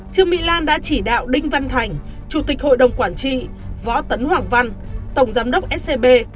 trương mỹ lan đã chỉ đạo đinh văn thành chủ tịch hội đồng quản trị võ tấn hoàng văn tổng giám đốc scb